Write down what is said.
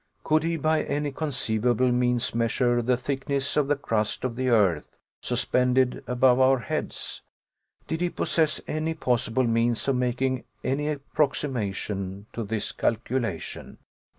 Could he, by any conceivable means, measure the thickness of the crust of the earth suspended above our heads? Did he possess any possible means of making any approximation to this calculation?